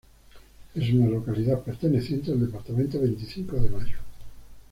Es una localidad perteneciente al Departamento Veinticinco de Mayo.